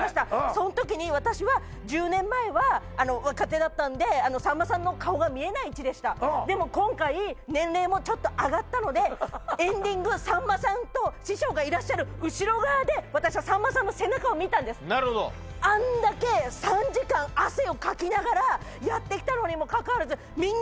そんときに私は１０年前は若手だったんでさんまさんの顔が見えない位置でしたでも今回年齢もちょっと上がったのでエンディングさんまさんと師匠がいらっしゃる後ろ側で私はさんまさんの背中を見たんですあんだけと思ったんです